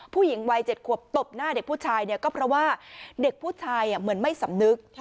ผู้หญิงวัย๗ขวบตบหน้าเด็กผู้ชายเนี่ยก็เพราะว่าเด็กผู้ชายเหมือนไม่สำนึก